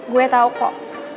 gue tau kok